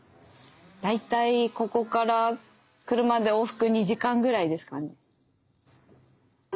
大体ここから車で往復２時間ぐらいですかね。